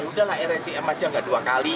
yaudahlah rscm aja nggak dua kali